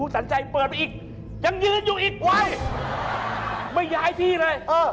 สันใจเปิดไปอีกยังยืนอยู่อีกไว้ไม่ย้ายที่เลยเออ